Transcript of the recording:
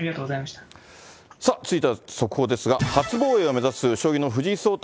さあ、続いては速報ですが、初防衛を目指す、将棋の藤井聡太